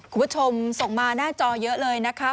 คุณผู้ชมส่งมาหน้าจอเยอะเลยนะคะ